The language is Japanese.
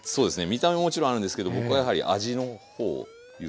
見た目ももちろんあるんですけど僕はやはり味の方を優先してますね。